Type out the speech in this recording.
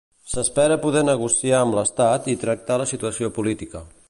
S'espera poder negociar amb l'Estat i tractar la situació política.